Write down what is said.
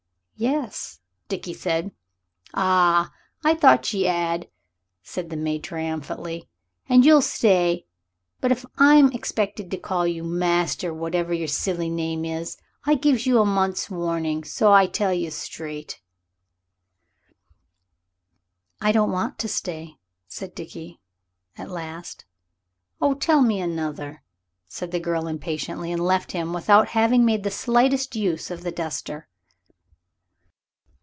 "Yes," said Dickie. "Ah, I thought she 'ad," said the maid triumphantly; "and you'll stay. But if I'm expected to call you Master Whatever your silly name is, I gives a month's warning, so I tell you straight." "I don't want to stay," said Dickie "at least " "Oh, tell me another," said the girl impatiently, and left him, without having made the slightest use of the duster.